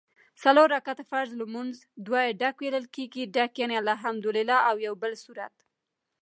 څلور رکعته فرض لمونځ دوه ډک ویل کېږي ډک یعني الحمدوالله او یوبل سورت